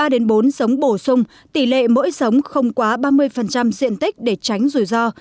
ba bốn giống bổ sung tỷ lệ mỗi giống không quá ba mươi diện tích để tránh rủi ro